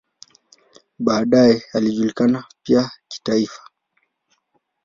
Baadaye alijulikana pia kitaifa.